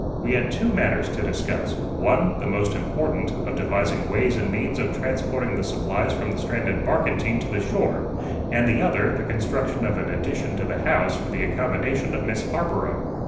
We had two matters to discuss: one, the most important, of devising ways and means of transporting the supplies from the stranded barkentine to the shore, and the other, the construction of an addition to the house for the accommodation of Miss Harborough.